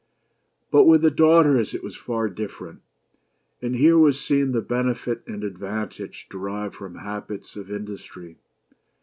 But with the daughters it was far different ; and here was seen the benefit and advantage derived from habits of indus try.